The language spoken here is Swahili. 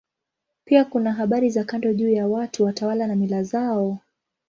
Pia kuna habari za kando juu ya watu, watawala na mila zao.